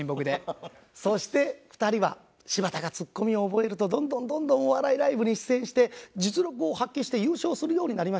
そして２人は柴田がツッコミを覚えるとどんどんどんどんお笑いライブに出演して実力を発揮して優勝するようになりました。